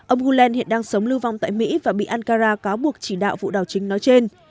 ông huland hiện đang sống lưu vong tại mỹ và bị ankara cáo buộc chỉ đạo vụ đảo chính nói trên